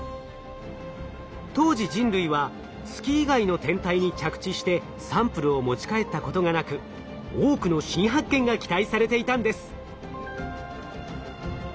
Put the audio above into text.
当時人類は月以外の天体に着地してサンプルを持ち帰ったことがなく多くの新発見が期待されていたんです。